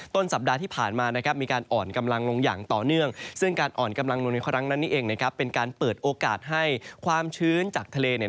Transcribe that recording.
ต้นสัปดาห์ที่ผ่านมามีการอ่อนกำลังลงอย่างต่อเนื่องซึ่งการอ่อนกำลังลงเป็นการเปิดโอกาสให้ความชื้นจากทะเล